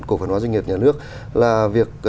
cổ phần hóa doanh nghiệp nhà nước là việc